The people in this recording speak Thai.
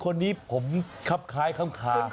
คนนี้ผมครับคล้ายคับคา